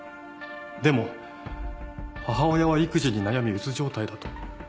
でも母親は育児に悩み鬱状態だと。